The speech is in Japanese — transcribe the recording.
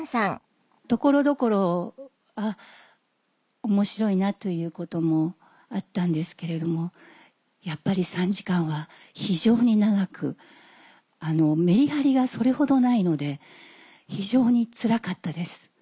所々面白いなということもあったんですけれどもやっぱり３時間は非常に長くメリハリがそれほどないので非常につらかったです。